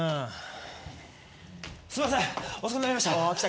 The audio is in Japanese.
すいません遅くなりました